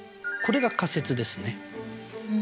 これが仮説ですね。